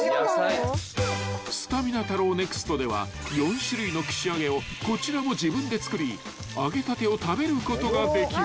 ［すたみな太郎ＮＥＸＴでは４種類の串揚げをこちらも自分で作り揚げたてを食べることができる］